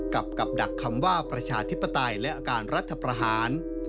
กับดักคำว่าประชาธิปไตยและการรัฐประหาร